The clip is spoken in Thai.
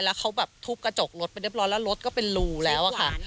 แล้วเขาแบบทุบกระจกรถไปเรียบร้อยแล้วรถก็เป็นรูแล้วอะค่ะ